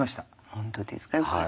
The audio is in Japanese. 本当ですかよかった。